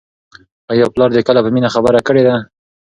آیا پلار دې کله په مینه خبره کړې ده؟